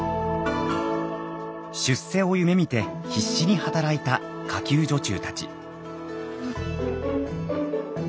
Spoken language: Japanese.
出世を夢みて必死に働いた下級女中たち。